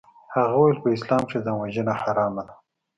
هغه وويل په اسلام کښې ځانوژنه حرامه ده.